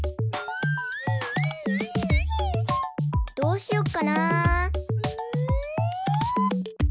どうしよっかな。